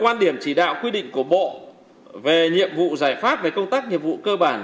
quan điểm chỉ đạo quy định của bộ về nhiệm vụ giải pháp về công tác nhiệm vụ cơ bản